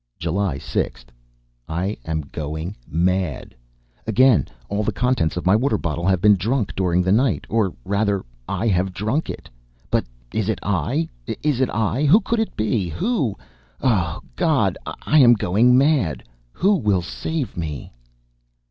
July 6th. I am going mad. Again all the contents of my water bottle have been drunk during the night or rather, I have drunk it! But is it I? Is it I? Who could it be? Who? Oh! God! Am I going mad? Who will save me?